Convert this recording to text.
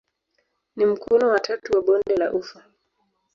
Ni mkono wa tatu wa bonde la ufa.